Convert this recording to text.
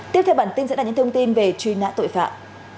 tiếp theo bản tin sẽ là những thông tin về truy nã tội phạm